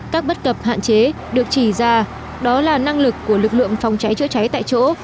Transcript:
các bất cập hạn chế được chỉ ra đó là năng lực của lực lượng phòng cháy chữa cháy tại chỗ